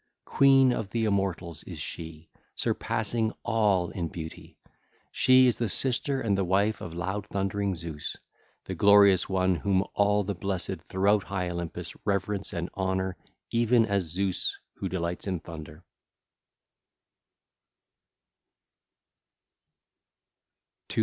Queen of the immortals is she, surpassing all in beauty: she is the sister and the wife of loud thundering Zeus,—the glorious one whom all the blessed throughout high Olympus reverence and honour even as Zeus who delights in thunder.